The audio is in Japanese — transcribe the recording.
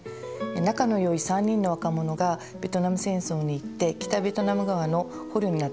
仲のよい３人の若者がベトナム戦争に行って北ベトナム側の捕虜になってしまう。